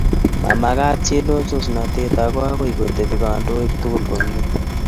Mamakaat chelososnatet ako akoi kotebi kandoik tukulkomye